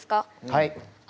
はい。